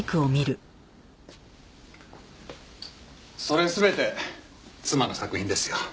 それ全て妻の作品ですよ。